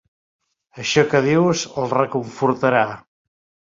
Això que dius el reconfortarà.